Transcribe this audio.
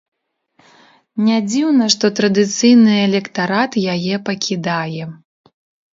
Нядзіўна, што традыцыйны электарат яе пакідае.